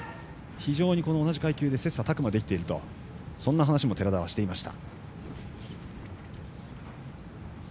非常に同じ階級で切さたく磨できているとそんな話も寺田はしていました。